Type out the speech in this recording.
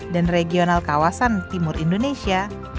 dan regional kawasan timur indonesia